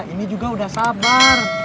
ini juga udah sabar